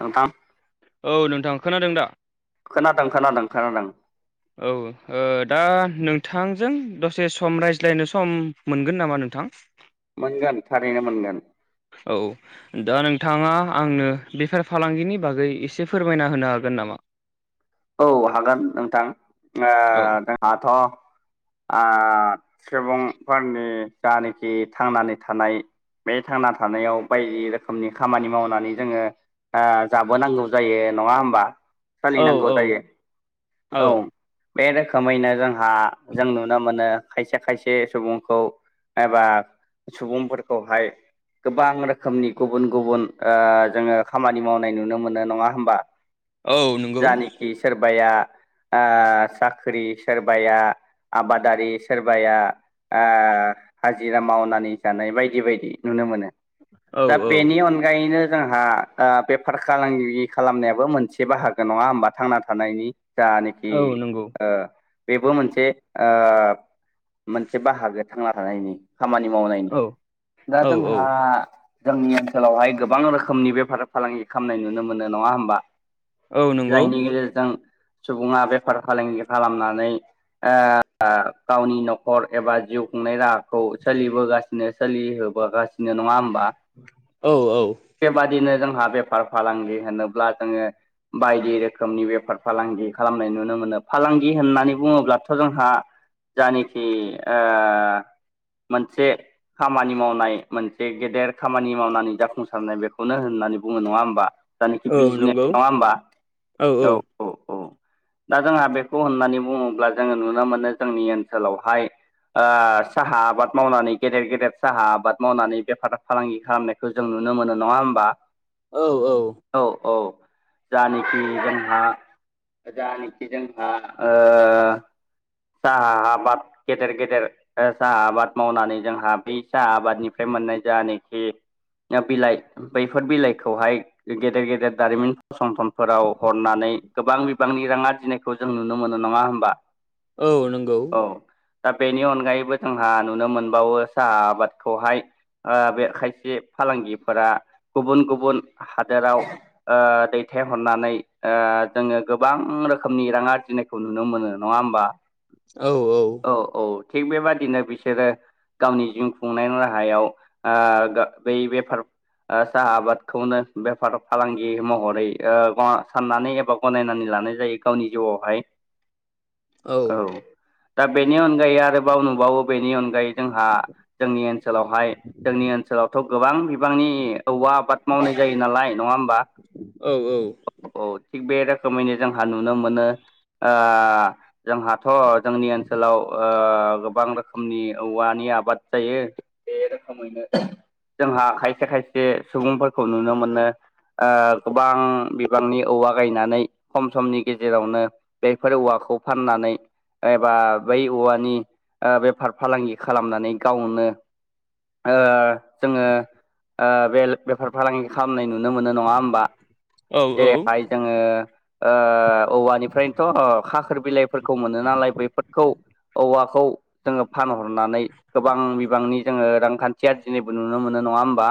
नोंथां। औ नोंथां खोनादों दा? खोनादों खोनादों खोनादों। औ ओ दा नोंथांजों दसे सम रायज्लायनो सम मोनगोन नामा नोंथां? मोनगोन थारैनो मोनगोन। औ। दा नोंथाङा आंनो बेफार फालांगिनि बागै एसे फोरमायना होनो हागोन नामा? औ हागोन नोंथां ओ औ जोंहाथ' आ सुबुंफोरनि जानाखि थांनानै थानाय बे थांना थानायाव बायदि रोखोमनि खामानि मावनानै जोङो आ जाबोनांगौ जायो नङा होमबा। औ सोलिनांगौ औ। जायो औ औ बे रोखोमैनो जोंहा जों नुनो मोनो खायसे खायसे सुबुंखौ एबा सुबुंफोरखौहाय गोबां रोखोमनि गुबुन गुबुन ओ जोङो खामानि मावनाय नुनो मोनो। नङा होमबा? औ नोंगौ। खि सोरबाया ओ साख्रि सोरबाया आबादारि सोरबाया ओ हाजिरा मावनानै जानाय बायदि बायदि नुनो मोनो औ दा औ बेनि अनगायैनो जोंहा ओ बेफार खालांगि खालामनायाबो मोनसे बाहागो नङा होमबा थांना थानायनि दानि खि औ नंगौ ओ बेबो मोनसे ओ मोनसे बाहागो थांना थानायनि खामानि मावनायनि औ दा औ औ जोंहा जोंनि ओनसोलावहाय गोबां रोखोमनि बेफार फालांगि खालामनाय नुनो मोनो नङा होमबा औ नंगौ जायनि गेजेरजों सुबुङा बेफार फालांगि खालामनानै ओ गावनि न'खर एबा जिउ खुंनाय राहा खौ सोलिबोगासिनो सोलिहोबोगासिनो नङा होमबा औ औ बेबादिनो जोंहा बेफार फालांगि होनोब्ला जोङो बाय दि रोखोमनि बेफार फालांगि खालामनाय नुनो मोनो फालांगि होननानै बुङोब्लाथ' जोंहा जानिखि ओ मोनसे खामानि मावनाय मोनसे गेदेर खामानि मावनानै जाफुंसारनाय बेखौनो होननानै बुङो नङा होमबा? औ जानिखि नंगौ बिजनेस नङा होमबा! औ औ दा जोंहा बेखौ होननानै बुङोब्ला जोङो नुनो मोनो जोंनि ओनसोलावहाय ओ साहा आबाद मावनानै गेदेर गेदेर साहा आबाद मावनानै बेफार फालांगि खालामनाय खौ जों नुनो मोनो नङा होमबा औ औ औ औ जानि खि जोंहा जानिखि जोंहा ओ साहा आबाद गेदेर गेदेर ओ साहा आबाद मावनानै जोंहा बै साहा आबादनिफ्राय मोननाय जानिखि ओ बिलाइ बैफोर बिलाइखौहाय गेदेर गेदेर दारिमिन फसंथान फोराव हरनानै गोबां बिबांनि रां आरजिनायखौ जों नुनो मोनो नङा होमबा औ नंगौ औ दा बेनि अनगायैबो जोंहा नुनो मोनबावो साहा आबादखौहाय ओ बे खायसे फालांगिफोरा गुबुन गुबुन हादोराव ओ दै थाय हरनानै ओ जोङो गोबां रोखोमनि रां आरजिनायखौ नुनो मोनो नङा होमबा औ औ औ औ थिग बेबादिनो बिसोरो गावनि जिउ खुंनायनि राहायाव ओ बै बेफार ओ साहा आबादखौनो बेफार फालांगि महरै ओ साननानै एबा गनायनानै लानाय जायो गावनि जिउआवहाय औ दा बेनि अनगायै आरोबाव नुबावो बेनि अन जोंहा जोंनि ओनसोलावहाय जोंनि ओनसोलावथ' गोबां बिबांनि औवा आबाद मावनाय जायो नालाय नङा होमबा औ औ औ थिग बे रोखोमैनो जोंहा नुनो मोनो आ जोंहाथ' जोंनि ओनसोलाव ओ गोबां रो गुनि औवानि आबाद जायो बे रोखोमैनो जोंहा खायसे खायसे सुबुंफोरखौ नुनो मोनो ओ बां बिबांनि औवा गायनानै खम समनि गेजेरावनो बेफोर औवाखौ फाननानै एबा बै औवानि बेफार फालांगि खालामनानै गावनो ओ जोङो ओ बे बेफार फालांगि खालामनाय नुनो मोनो नङा होमबा नंगौ जेरैहाय जोङो ओ औवानिफ्रायनोथ' खाखोर बिलाइ खौ मोनो नालाय बेफोरखौ औवाखौ जोङो फानहरनानै गोबां बिबांनि जोङो रांखान्थिया दिनैबो नुनो मोनो नङा होमबा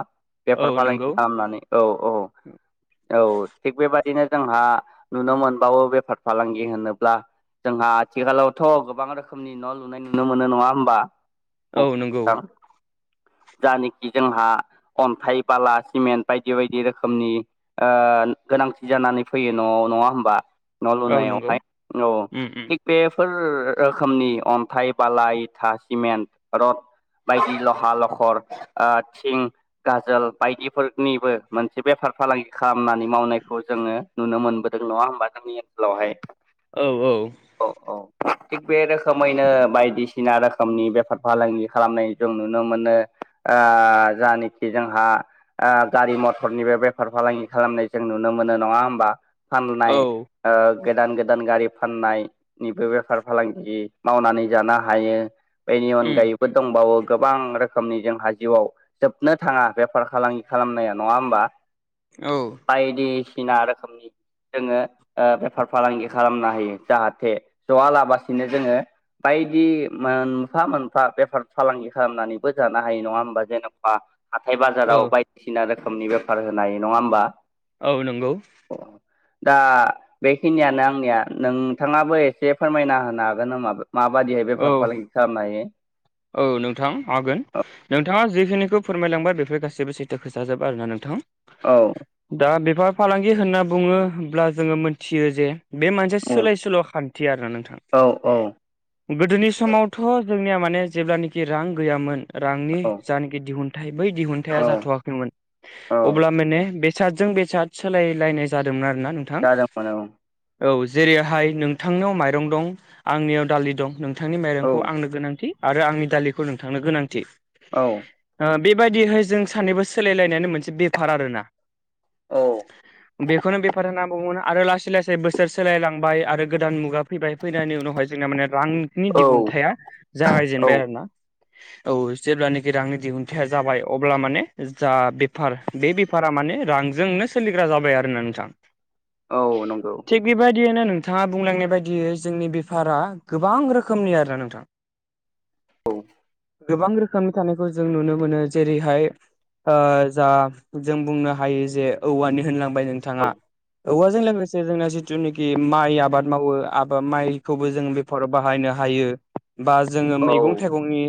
औ बेफार फालांगि खालामनानै औ औ औ थिग बेबादिनो जोंहा नुनो मोनबावो बेफार फालांगि होनोब्ला जोंहा आथिखालावथ' गोबां रोखोमनि न' लुनाय नुनो मोनो नङा होमबा औ नंगौ नोंथां जानखि जोंहा अन्थाइ बाला सिमेन्ट बायदि बायदि रोखोमनि ओ गोनांथि जानानै फैयो न'आव नङा होमबा न' औ नंगौ लुनायावहाय औ उम उम थिग बेफोर रोखोमनि अन्थाइ बाला इथा सिमेन्ट रड बायदि लह लखर ओ थिं गाजोल बायदिफोरनिबो मोनसे बेफार फालांगि खामानि मावनायखौ जोङो नुनो मोनबोदों नङा होमबा जोंनि ओनसोलावहाय औ औ औ औ थिग बे रोखोमैनो बायदिसिना सिना रोखोमनि बेफार फालांगि खालामनाय जों नुनो मोनो ओ जानाखि जोंहा ओ गारि मथरनिबो बेफार फालांगि खालामनाय जों नुनो मोनो नङा होमबा फाननाय गोदान ओ गोदान गारि फाननाय निबो बेफार फालांगि मावनानै जानो हायो बेनि उम अनगायै बो दंबावो गोबां रोखोमनि जोंहा जिउआव जोबनो थाङा बेफार फालांगि खालामनाया नङा होमबा औ बायदिसिना रोखोमनि जोङो ओ बेफार फालांगि खालामनो हायो जाहाथे जआ लाबासिनो जोङो बायदि मोनफा मोनफा बेफार फालांगि खालामनानैबो जानो हायो नङा होमबा जेन'बा हाथाय औ बाजाराव बायदिसिना रोखोमनि बेफार होनाय नङा होमबा औ नंगौ दा बेखिनियानो आंनिया नोंथाङाबो एसे फोरमायना होनो हागोन नोमाबो माबादिहाय औ बेफार फालांगि खालामनो हायो औ नोंथां हागोन नोंथाङा जिखिनिखौ फोरमायलांबाय बेफोर गासैबो सैथो खोथाजोब आरो ना नोंथां औ दा बेफार फालांगि होनना बुङोब्ला जोङो मोनथियो जे बे मोनसे औ सोलाय सोल' खान्थि आरोना नोंथां औ औ गोदोनि समावथ' जोंनिया माने जेब्लानोखि रां गैयामोन रांनि औ जानाखि दिहुनथाइ बै दिहुनथाया औ जाथ'वाखैमोन औ अब्ला माने बेसादजों बेसाद सोलायलायनाय जादोंमोन आरोना नोंथां जादोंमोन औ औ जेरैहाय नोंथांनियाव माइरं दं आंनियाव दालि दं नों नोंथांनि माइरंखौ आंनो गोनांथि आरो आंनि दालिखौ नोंथांनो गोनांथि औ बेबायदिहाय जों सानैबो सोलायलायनायानो मोनसे बेफार आरो ना। औ बेखौनो बेफार होनना बुङोना। आरो लासै लासै बोसोर सोलायलांबाय आरो गोदान मुगा फैबाय फैनायनि उनावहाय जोंना माने रां नि औ दिहुनथाइ औ जागायजेनबाय आरो ना। औ जेब्लानाखि रांनि दिहुनथाइया जाबाय अब्ला माने जा बेफार बे बेफारा माने रांजोंनो सोलिग्रा जाबाय आरोना नोंथां। औ नंगौ। थिग बेबायदियनो नोंथाङा बुंलांनाय बायदियै जोंनि बेफारा गोबां रोखोमनि आर ना नोंथां। औ गोबां रोखोमनि थानायखौ जों नुनो मोनो जेरैहाय जा जों बुंनो हायो जे औवानि होनलांबाय औ नोंथाङा औवाजों लोगोसे जोंना जिथुनाखि माइ आबाद मावो आब माइखौबो जों बेफोराराव बाहायनो हायो। बा जोङो औ मैगं थाइगंनि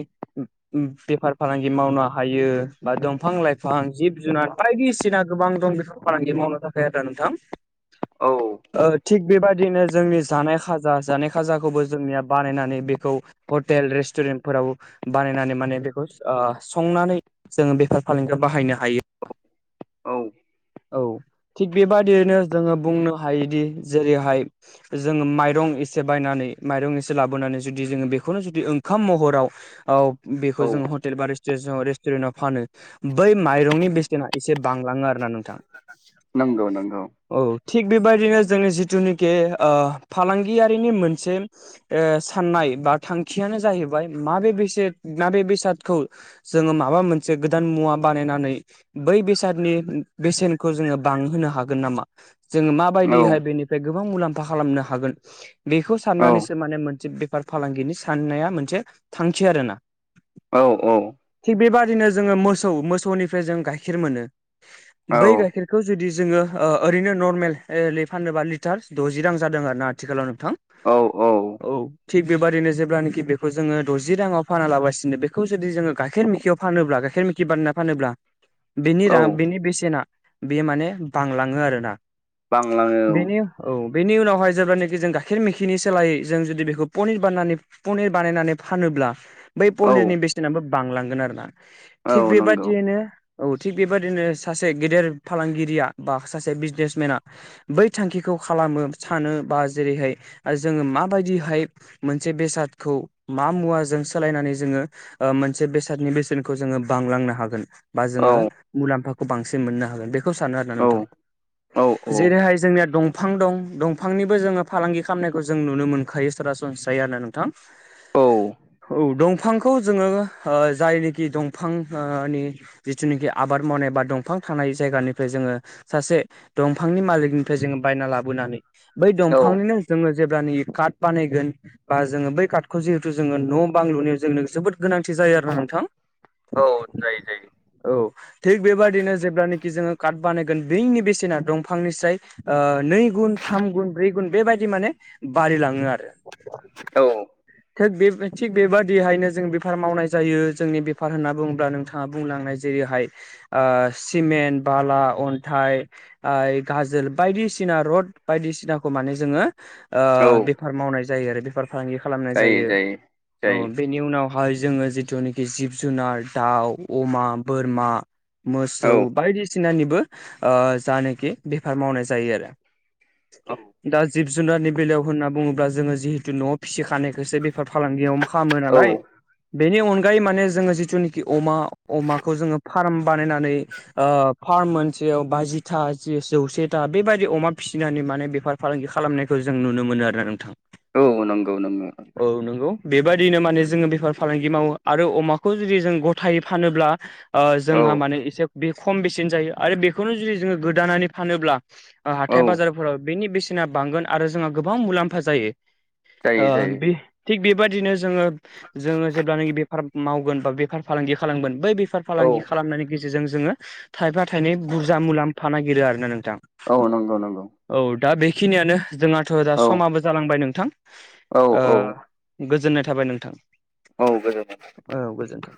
बेफार फालांगि मावनो हायो बा दंफां लाइफां जिब जुनार बायदिसिना गोबां दं बेफोर फालांगि मावनो थाखाय आरो नोंथां औ थिग बेबायदिनो जोंनि जानाय खाजा जानाय खाजाखौबो जोंनिया बानायनानै बेखौ हटेल रेस्टुरेन्टफोराव बानायनानै माने बेखौ संनानै जोङो बेफार फालांगियाव बाहायनो हायो। औ। औ थिग बेबादियैनो जोङो बुंनो हायोदि जेरैहाय जोङो माइरं एसे बायनानै माइरं एसे लाबोनानै जुदि जोङो बेखौनो जुदि ओंखाम महराव औ बेखौ औ जोङो हटेल बा रेस्टुरेन्टाव फानो बै माइरंनि बेसेना एसे बांलाङो आर ना नों नंगौ नंगौ औ। थिग बेबायदिनो जोंनि जिथुनिखि फालांगियारिनि मोनसे साननाय बा थांखियानो जाहैबाय मा बेे बेसाद ना बेे बेसादखौ जोङो माबा मोनसे गोदान मुवा बानायनानै बै बेसादनि बेसेनखौ जोङो बांहोनो हागोन नामा जोङो औ माबायदिहाय बेनि गोबां मुलाम्फा खालामनो हागोन बेखौ औ साननानैसो माने से बेफार फालांगिनि साननाया मोनसे थांखि आर ना। औ औ। थिग बेबादिनो जोङो मोसौ मोसौनिफ्राय जों गाइखेर मोनो। औ बै गाइखेरखौ जुदि जोङो ओरैनो नरमेलै फानोबा लिटार द'जि रां जादों आर ना। आथिखालाव नोंथां औ औ। औ। थिग बेबायदिनो जे्लानोाखि बेखौ जोङो द'जि राङाव फानालागासिनो बेखौ जुदि जोङो गाइखेर मेखियाव फानोब्ला गाइखेर मे खि बानायना फानोब्ला बेनि औ रां बिनि बेसेना बेयो माने बांलाङो आरोना बांलाङो बेनि औ बेनि उनावहाय जेब्लानाखि जों गाइखेर मैखिनि सोलायै जों जुदि बेखौ पनिर बाननानै पनिर बानायनानै फानोब्ला बै औ पनिरनि बेसेनाबो बांलांगोन आरो ना औ थिग नंगौ बेबादियैनो औ थिग बेबादिनो सासे गेदेर फालांगिरिया बा सासे बिजनेसमेना बै थांखिखौ खालामो सानो बा जेरैहाय जोङो माबायदिहाय मोनसे बेसादखौ मा मुवाजों सोलायनानै जोङो मोनसे बेसादनि बेसेनखौ जोङो बांलांनो हागोन। बा औ जोङो मुलाम्फाखौ बांसिन मोननो हागोन बेखौ सानो आरोोना नोंथां औ जेरैहाय जोंनिया दंफां दं दंफांनिबो जोङो फालांगि खालामनायखौ जों नुनो मोनखायो सरासनस्रायै आरो नोंथां। औ औ दं। दफांखौ जोङो जायनोखि दंफांनि जिथुनाखि आबाद मावनाय बाद दंफां थानाय जायगानिफ्राय जोङो सासे दंफांनि मालिकनिफ्राय जोङो बायना लाबोनानै बै दंफांनिनो जोङो जेब्लानि काट बानायगोन बा जोङो बै कार्टखौ जिहेथु जोङो न' बां लुनायाव जोंनो जोबोद गोनांथि जायो आरोना नोंथां औ जायो जायो औ थग बेबादि नो जेलानोखि जोङो काट बानायगोन बैनि बेसेना दंफांनिस्राय नै गुन थाम गुन ब्रै गुन बेबायदि माने बारलाङो आरो औ थिग बे थिग बेबादिहायनो जों बेफार मावनाय जायो जोंनि बेफार होनना बुङोब्ला नोंथां ङा बुंलांनाय जेरैहाय सिमेन्ट बाला अन्थाइ गाजोल बायदिसिना रड बायदिसिनाखौ माने जोङो ओ औ बेफार मावनाय जायो आरो बेफार फालांगि खालामनाय जायो औ बे जायो नि उनावहाय जोङो जिथुनाखि जिब जुनार दाउ अमा बोरमा मोसौ बायदिसिनानिबो ओ जानाखि बेफार मावनाय जायो आरो औ दा जिब जुनारनि बेलायाव होनना बुङोब्ला जोङो जिहेतु न'आव फिसि खानाय से बेफार फालांगियाव खालामो औ नालाय औ बेनि अनगायै माने जोङो जिथुनिखि अमा अमाखौ जोङो फार्म बानायनानै ओ फार्म मोनसेयाव बाजिथा जौसेथा बेबदि अमा फिसिनानै माने बेफोर फालांगि खालामनायखौ जों नुनो मोनो आरोना नोंथां औ नंगौ नंगौ औ नंगौ बेबायादिनो माने जोङो बेफार फालांगि मावो आरो अमाखौ जुदि जों गथायै फानोब्ला ओ औ जोंहा माने एसे बे खम बेसेन जायो आरो बेखौनो जुदि जोङो गोदानानै फानोब्ला औ हाथाय बाजारफोराव बेनि बेसेना बांगोन आरो जोंहा गोबां मुलाम्फा जायो ओ जायो जायो बे थिग बेबायदिनो जोङो जोङो जेब्लानोखि बेफार मावगोन बा बेफार फालांगि खालामगोन बै बेफार औ फालांगि खालामनायनि गेजेरजों जोङो थाइफा थाइनै बुरजा मुलामफा नागिरो आरोना नोंथां औ नंगौ नंगौ औ दा बेखिनियानो जोंहाथ दा औ समाबो जालांबाय नोंथां औ औ ओ गोजोननाय थाबाय नोंथां औ गोजोनथों औ गोजोन्थों